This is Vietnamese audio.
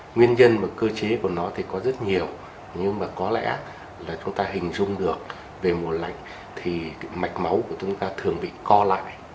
nguyên nhân và cơ chế của nó thì có rất nhiều nhưng mà có lẽ là chúng ta hình dung được về mùa lạnh thì mạch máu của chúng ta thường bị co lại